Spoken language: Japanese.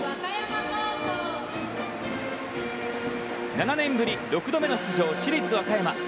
７年ぶり６度目の出場、市立和歌山。